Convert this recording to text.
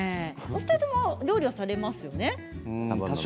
お二人とも料理はされますよね。